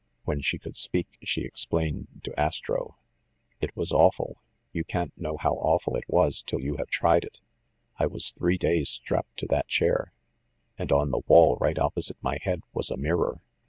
When she could speak, she explained to Astro. "It was awful, ‚ÄĒ you can't know how awful it was till you have tried it. I was three days strapped to that chair, and on the wall right opposite my head was a mirror.